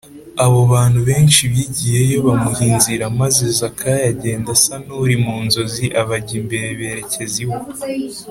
abo bantu benshi bigiyeyo bamuha inzira, maze zakayo agenda asa n’uri mu nzozi abajya imbere berekeza iwe